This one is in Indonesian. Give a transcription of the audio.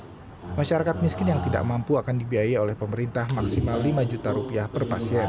sementara jika warga harus membiayai maka pemerintah yang tidak mampu akan dibiayai oleh pemerintah maksimal lima juta rupiah per pasien